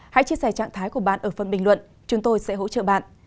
hãy chia sẻ trạng thái của bạn ở phần bình luận chúng tôi sẽ hỗ trợ bạn